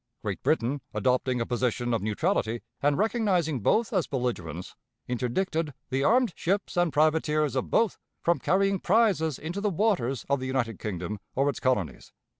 Great Britain, adopting a position of neutrality, and recognizing both as belligerents, interdicted the armed ships and privateers of both from carrying prizes into the waters of the United Kingdom or its colonies.